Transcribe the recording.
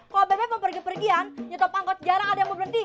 kalau bp mau pergi pergian nyetop angkot jarang ada yang mau berhenti